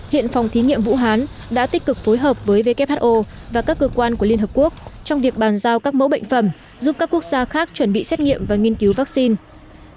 hiện phòng thí nghiệm vũ hán đã tích cực phối hợp với who và các cơ quan của liên hợp quốc trong việc bàn giao các mẫu bệnh phẩm giúp các quốc gia khác chuẩn bị xét nghiệm và nghiên cứu vaccine